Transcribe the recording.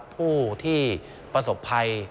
ผู้ที่ประสบภัย